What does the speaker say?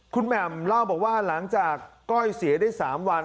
คุณแหม่มเล่าบอกว่าหลังจากก้อยเสียได้๓วัน